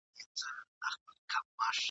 نه په سمه مځکه بند وو، نه په شاړه ..